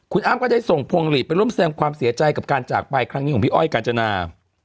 คุณอ้ำก็ได้ส่งพวงหลีดไปร่วมแสดงความเสียใจกับการจากไปครั้งนี้ของพี่อ้อยกาญจนา